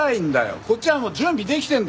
こっちはもう準備できてるんだからさ！